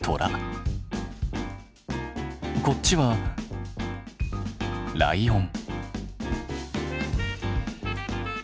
こっちはライオン。